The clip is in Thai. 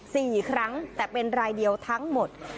สี่ครั้งแต่เป็นรายเดียวทั้งหมด